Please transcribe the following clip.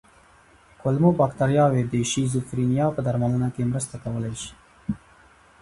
کولمو بکتریاوې د شیزوفرینیا په درملنه کې مرسته کولی شي.